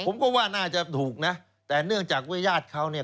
ผมก็ว่าน่าจะถูกนะแต่เนื่องจากว่าญาติเขาเนี่ย